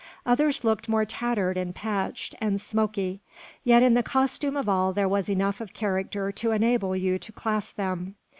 Others looked more tattered and patched, and smoky; yet in the costume of all there was enough of character to enable you to class them.